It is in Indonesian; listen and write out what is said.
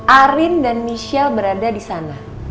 arin dan michelle berada disana